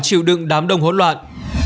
chịu đựng đám đông hỗn loạn